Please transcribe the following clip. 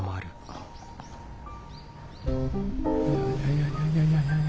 いやいやいやいや。